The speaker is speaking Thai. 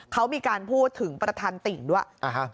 เขามีการพูดถึงประธานติ่งด้วย